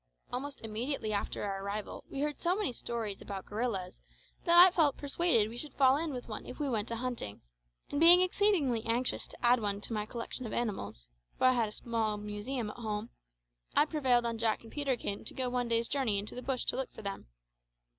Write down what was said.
Almost immediately after our arrival we heard so many stories about gorillas that I felt persuaded we should fall in with one if we went a hunting, and being exceedingly anxious to add one to my collection of animals for I had a small museum at home I prevailed on Jack and Peterkin to go one day's journey into the bush to look for them.